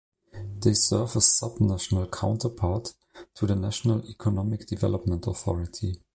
They serve as the subnational counterpart of the National Economic and Development Authority.